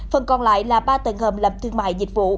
phần còn lại là ba tầng hầm làm thương mại dịch vụ